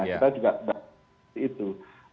kita juga berarti itu